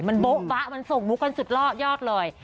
มันโบ๊ะบะมันส่งมุกกันสุดล่อยอดเลย